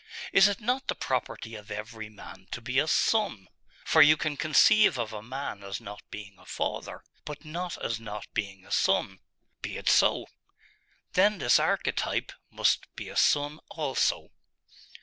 Is it not the property of every man to be a son? For you can conceive of a man as not being a father, but not as not being a son.' 'Be it so.' 'Then this archetype must be a son also.